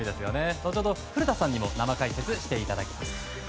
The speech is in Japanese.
後ほど、古田さんにも生解説していただきます。